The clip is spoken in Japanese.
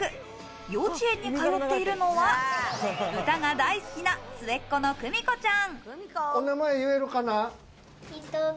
幼稚園に通っているのは、歌が大好きな末っ子の久美子ちゃん。